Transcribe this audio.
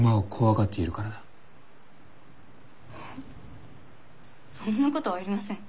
えっそんなことはありません。